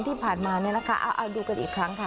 ที่ผ่านมาเนี่ยนะคะเอาดูกันอีกครั้งค่ะ